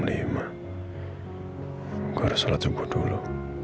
gua harus salat subuh dulu